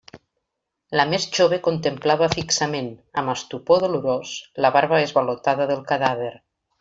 La més jove contemplava fixament, amb estupor dolorós, la barba esvalotada del cadàver.